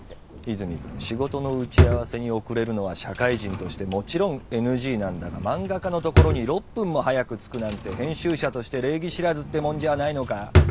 泉くん仕事の打ち合わせに遅れるのは社会人としてもちろんＮＧなんだが漫画家のところに「６分」も早く着くなんて編集者として礼儀知らずってもんじゃあないのかッ？